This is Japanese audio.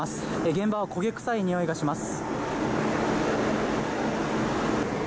現場は焦げ臭いにおいがします。